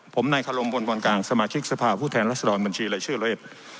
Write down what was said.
ผมนายคารมบนวันกลางสมาชิกสภาพผู้แทนรัฐสดรบัญชีละชื่อละเอศ